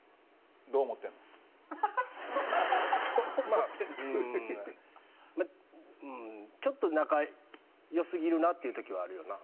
まあうーんちょっと仲良すぎるなっていう時はあるよな。